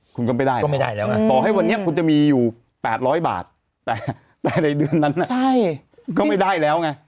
คุณก็ไม่ได้ก็ไม่ได้แล้วไงต่อให้วันนี้คุณจะมีอยู่๘๐๐บาทแต่ในเดือนนั้นก็ไม่ได้แล้วไง